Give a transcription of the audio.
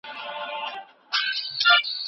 موږ ستاسو اخلاق، انسانيت او درنښت ته ارزښت لرو